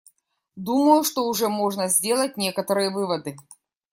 Думаю, что уже можно сделать некоторые выводы.